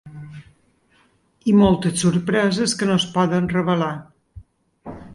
I moltes sorpreses que no es poden revelar.